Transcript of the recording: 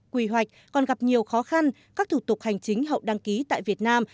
quy hoạch còn gặp nhiều khó khăn các thủ tục hành chính hậu đăng ký tại việt nam